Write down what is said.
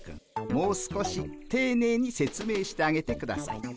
もう少していねいに説明してあげてください。